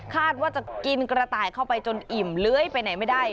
ว่าจะกินกระต่ายเข้าไปจนอิ่มเลื้อยไปไหนไม่ได้